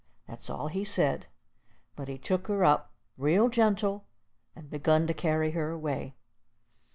That's all he said, but he took her up real gentle, and begun to carry her away.